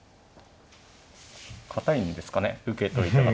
堅いんですかね受けといたら。